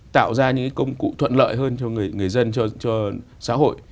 tạo ra những công cụ thuận lợi hơn cho người dân cho xã hội